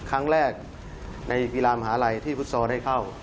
ครั้งแรกในกีฬามหาลัยที่พุทธศาสตร์ได้เข้า